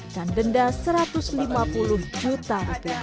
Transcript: dan denda rp satu ratus lima puluh juta